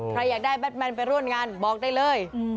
อยากได้แบทแมนไปร่วมงานบอกได้เลย